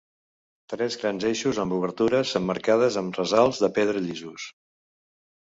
Tres grans eixos amb obertures emmarcades amb ressalts de pedra llisos.